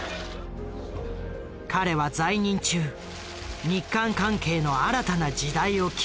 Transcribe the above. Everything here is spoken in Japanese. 彼は在任中日韓関係の新たな時代を築いた。